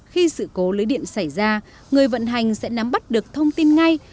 khi sự cố lưới điện xảy ra người vận hành sẽ nắm bắt được thông tin ngay